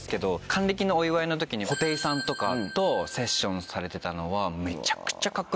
還暦のお祝いの時に布袋さんとかとセッションされてたのはめちゃくちゃカッコ良かったです。